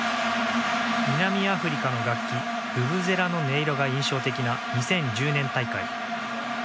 南アフリカの楽器ブブゼラの音色が印象的な２０１０年大会。